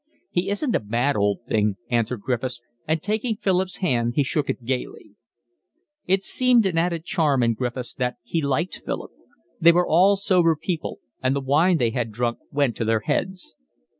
"He isn't a bad old thing," answered Griffiths, and taking Philip's hand he shook it gaily. It seemed an added charm in Griffiths that he liked Philip. They were all sober people, and the wine they had drunk went to their heads.